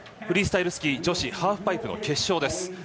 フリースタイルスキー女子ハーフパイプの決勝です。